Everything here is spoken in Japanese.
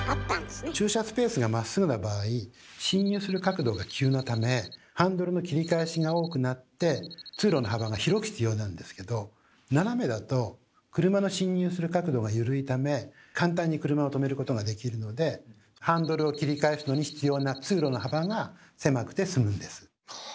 駐車スペースがまっすぐな場合侵入する角度が急なためハンドルの切り返しが多くなって通路の幅が広く必要なんですけど斜めだと車の侵入する角度が緩いため簡単に車をとめることができるのでハンドルを切り返すのに必要な通路の幅が狭くてすむんです。